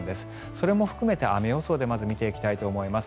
それも含めて雨予想でまず見ていきたいと思います。